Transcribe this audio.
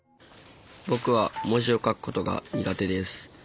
僕は文字を書くことが苦手です。